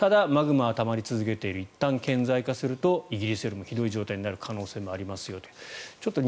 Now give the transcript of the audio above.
ただ、マグマはたまり続けているいったん顕在化するとイギリスよりひどい状態になると。